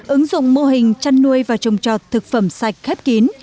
ứng dụng mô hình chăn nuôi và trồng trọt thực phẩm sạch khép kín